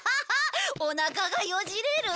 おなかがよじれる。